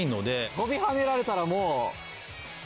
とびはねられたらもう。